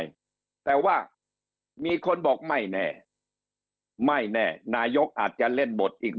แต่ว่ามีคนบอกไม่แน่ไม่แน่นายกอาจจะเล่นบทอีก